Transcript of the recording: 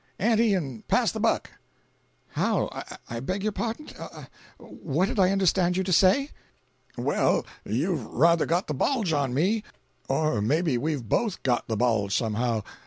Ante and pass the buck." "How? I beg pardon. What did I understand you to say?" "Well, you've ruther got the bulge on me. Or maybe we've both got the bulge, somehow.